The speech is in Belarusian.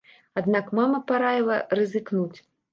Аднак мама параіла рызыкнуць.